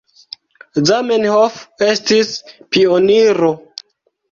Zamenhof estis pioniro.